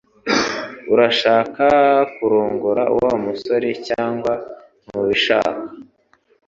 Urashaka kurongora Wa musore cyangwa ntubishaka?